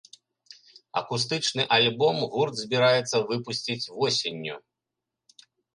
Акустычны альбом гурт збірацца выпусціць восенню.